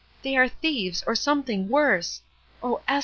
They are thieves, or something worse